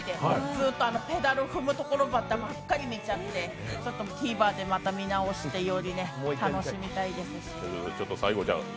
ずっとペダル踏むとこばっかり見ちゃってちょっとＴＶｅｒで見直して、また楽しみたいです。